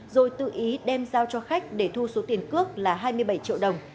rồi tự ý đem giao cho khách để thu số tiền cước là hai mươi bảy triệu đồng